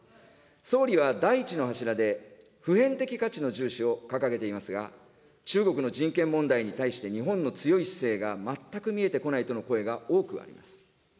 総理は第１の柱で、普遍的価値の重視を掲げていますが、中国の人権問題に対して、日本の強い姿勢が全く見えてこないとの声が多くあります。